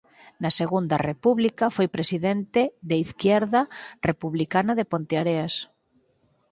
Na Segunda República foi presidente de Izquierda Republicana de Ponteareas.